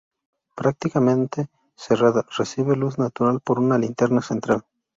Prácticamente cerrada, recibe luz natural por una linterna central.